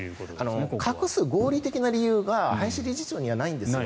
隠す合理的な理由が林理事長にはないんですよ。